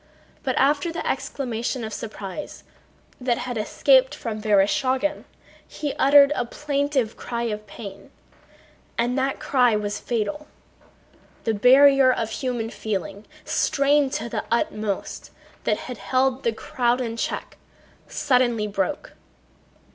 But after the exclamation of surprise that had escaped from Vereshchágin he uttered a plaintive cry of pain, and that cry was fatal. The barrier of human feeling, strained to the utmost, that had held the crowd in check suddenly broke.